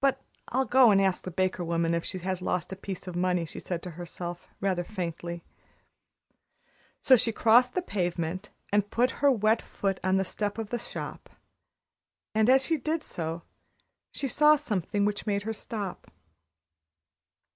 "But I'll go and ask the baker's woman if she has lost a piece of money," she said to herself, rather faintly. So she crossed the pavement and put her wet foot on the step of the shop; and as she did so she saw something which made her stop.